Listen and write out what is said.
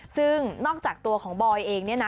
ซึ่งนอกจากตัวของบอยเองเนี่ยนะ